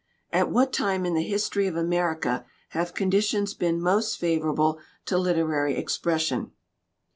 At what time in the history of America have con ditions been most favorable to literary expression?"